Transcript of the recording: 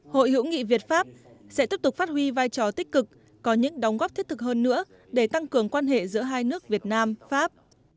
hội hữu nghị việt pháp sẽ tiếp tục phát huy vai trò tích cực có những đóng góp thiết thực hơn nữa để tăng cường quan hệ giữa hai nước việt nam pháp